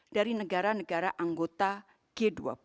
dari negara negara anggota g dua puluh